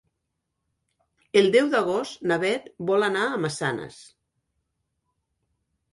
El deu d'agost na Bet vol anar a Massanes.